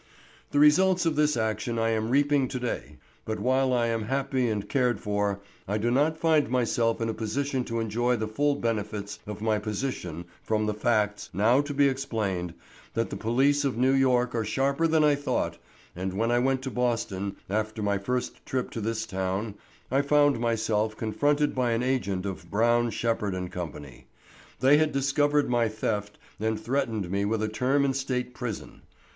The results of this action I am reaping to day, but while I am happy and cared for, I do not find myself in a position to enjoy the full benefits of my position from the facts, now to be explained, that the police of New York are sharper than I thought, and when I went to Boston, after my first trip to this town, I found myself confronted by an agent of Brown, Shepherd, & Co. They had discovered my theft and threatened me with a term in state prison.